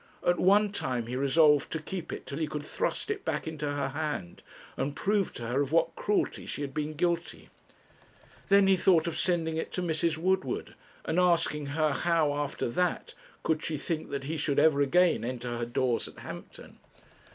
At one time he resolved to keep it till he could thrust it back into her hand, and prove to her of what cruelty she had been guilty. Then he thought of sending it to Mrs. Woodward, and asking her how, after that, could she think that he should ever again enter her doors at Hampton.